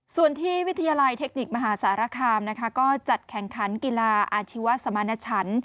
ส่วนที่วิทยาลัยเทคนิคมหาสารคามนะคะก็จัดแข่งขันกีฬาอาชีวสมณชัน